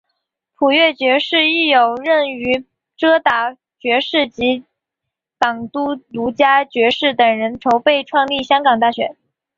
普乐爵士亦有份与遮打爵士及港督卢嘉爵士等人筹备创立香港大学。